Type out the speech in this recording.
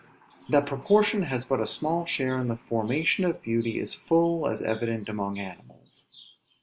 That proportion has but a small share in the formation of beauty is full as evident among animals.